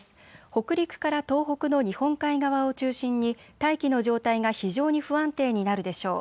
北陸から東北の日本海側を中心に大気の状態が非常に不安定になるでしょう。